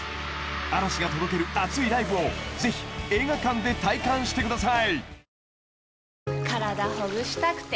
嵐が届ける熱いライブをぜひ映画館で体感してください